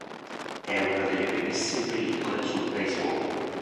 È una delle primissime pellicole sul baseball.